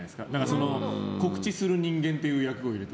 告知する人間という役を入れて。